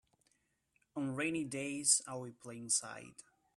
On rainy days I will play inside.